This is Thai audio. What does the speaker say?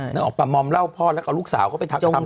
นึกออกปะมอมเหล้าพ่อแล้วก็ลูกสาวเขาไปทำ